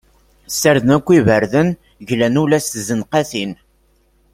Ssarden akk iberdan, glan ula s tzenqatin.